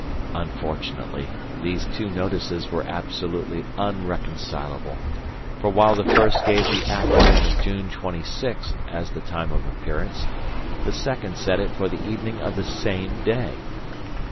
Unfortunately, these two notices were absolutely unreconcilable; for while the first gave the afternoon of June twenty sixth, as the time of appearance, the second set it for the evening of the same day.